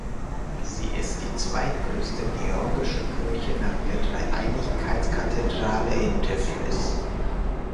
Sie ist die zweitgrößte georgische Kirche nach der Dreieinigkeits-Kathedrale in Tiflis.